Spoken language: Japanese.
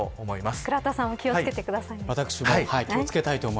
倉田さんも気を付けてくださいね。